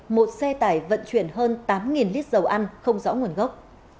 một xe tải vận chuyển hơn tám lít dầu ăn không rõ nguồn gốc